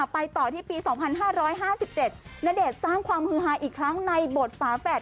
ไปต่อที่ปี๒๕๕๗ณเดชน์สร้างความฮือฮาอีกครั้งในบทฝาแฝด